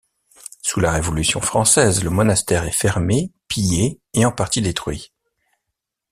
Sous la Révolution française, le monastère est fermé, pillé et en partie détruit.